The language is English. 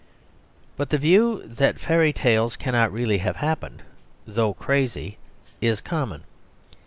But the view that fairy tales cannot really have happened, though crazy, is common.